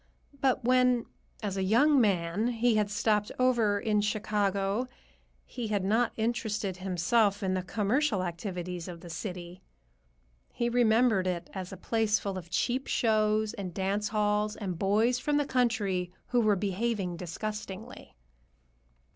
But when, as a young man, he had stopped over in Chicago, he had not interested himself in the commercial activities of the city. He remembered it as a place full of cheap shows and dance halls and boys from the country who were behaving disgustingly. Dr.